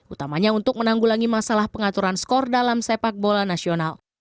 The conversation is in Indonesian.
utamanya untuk menanggulangi masalah pengaturan skor dalam sepak bola nasional